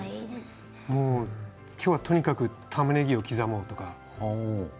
今日はとにかくたまねぎを刻もうとか。